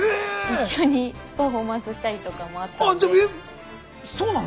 一緒にパフォーマンスしたりとかもあったので。